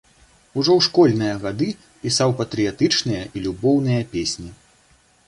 Ужо ў школьныя гады пісаў патрыятычныя і любоўныя песні.